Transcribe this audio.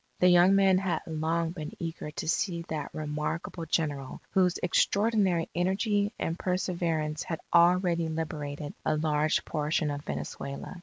The young men had long been eager to see that remarkable General whose extraordinary energy and perseverance had already liberated a large portion of Venezuela.